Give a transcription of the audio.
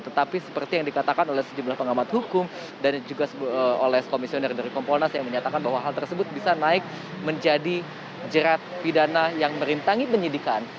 tetapi seperti yang dikatakan oleh sejumlah pengamat hukum dan juga oleh komisioner dari kompolnas yang menyatakan bahwa hal tersebut bisa naik menjadi jerat pidana yang merintangi penyidikan